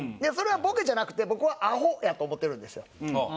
それはボケじゃなくて僕はアホやと思ってるんですよ。